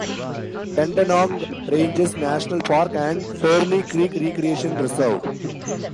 Dandenong Ranges National Park and Ferny Creek Recreation Reserve.